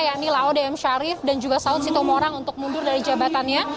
yakni laode m sharif dan juga saud sitomorang untuk mundur dari jabatannya